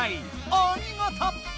お見事！